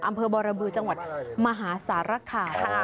อำเภอบรบือจังหวัดมหาสารคาม